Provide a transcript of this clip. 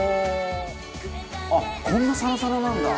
「あっこんなサラサラなんだ」